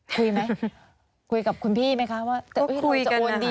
คุยไหมคุยกับคุณพี่ไหมคะ